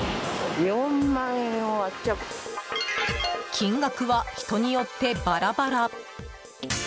金額は人によってバラバラ。